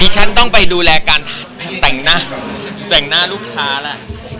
ฉันต้องไปดูแลการแต่งหน้าลูกค้าละ